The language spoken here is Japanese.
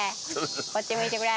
こっち向いてくれ。